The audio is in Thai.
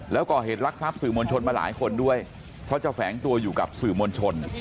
แล้วก่อเหตุลักษัพสื่อมวลชนมาหลายคนด้วยเพราะจะแฝงตัวอยู่กับสื่อมวลชน